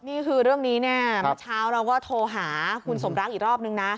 นี่คือเรื่องนี้เนี่ยเมื่อเช้าเราก็โทรหาคุณสมรักอีกรอบนึงนะ